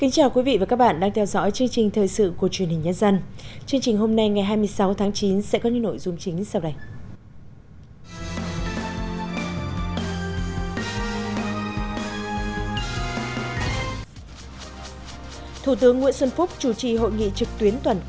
chương trình hôm nay ngày hai mươi sáu tháng chín sẽ có những nội dung chính sau đây